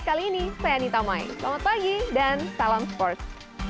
kali ini saya anita mai selamat pagi dan salam sports